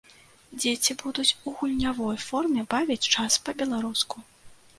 Дзеці будуць у гульнявой форме бавіць час па-беларуску.